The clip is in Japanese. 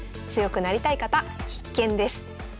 強くなりたい方必見です。